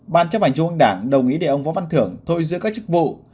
ban chấp hành trung ương đảng đồng ý để ông võ văn thưởng thôi giữ các chức vụ